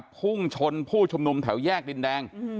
พุ่งชนผู้ชุมนุมแถวแยกดินแดง